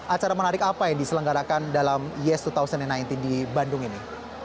acara menarik apa yang diselenggarakan dalam yes dua ribu sembilan belas di bandung ini